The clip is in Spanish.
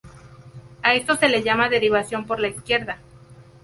A esto se le llama derivación por la izquierda.